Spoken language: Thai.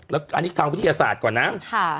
แล้วอันนี้ทางวิทยาศาสตร์ก่อนนะ